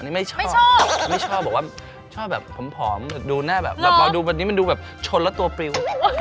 นี่ไม่ชอบไม่ชอบบอกว่าชอบแบบผอมดูหน้าแบบเราดูวันนี้มันดูแบบชนแล้วตัวปริว